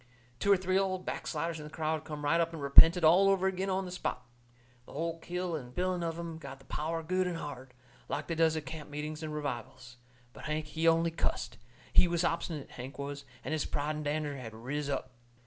Two or three old backsliders in the crowd come right up and repented all over agin on the spot. The hull kit and biling of 'em got the power good and hard, like they does at camp meetings and revivals. But Hank, he only cussed. He was obstinate, Hank was, and his pride and dander had riz up.